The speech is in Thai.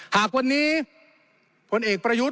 หากวันนี้พลเอกประยุทธ์